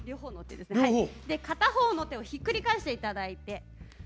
片方の手をひっくり返していただいて。